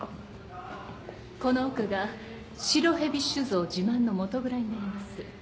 この奥が「白蛇酒造」自慢の元蔵になります。